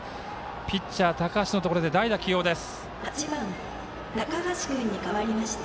ピッチャー、高橋のところで代打起用です。